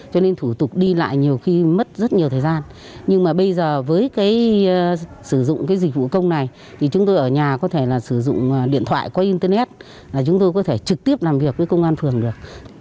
cho nên thủ tục đi lại nhiều khi mất rất nhiều thời gian nhưng mà bây giờ với cái sử dụng cái dịch vụ công này thì chúng tôi ở nhà có thể là sử dụng điện thoại qua internet là chúng tôi có thể trực tiếp làm việc với công an phường được